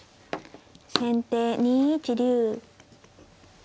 先手２一竜。